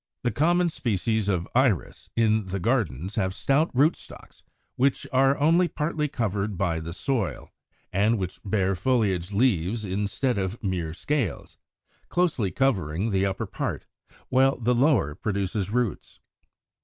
The common species of Iris (Fig. 164) in the gardens have stout rootstocks, which are only partly covered by the soil, and which bear foliage leaves instead of mere scales, closely covering the upper part, while the lower produces roots.